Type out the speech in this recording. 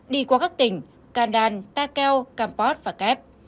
đi qua các tỉnh kandan takeo kampot và kep